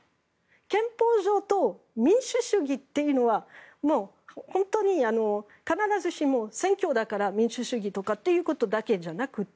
憲法上と民主主義というのは本当に必ずしも選挙だから民主主義ということだけじゃなくて